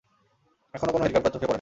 এখনো কোনো হেলিকপ্টার চোখে পড়েনি।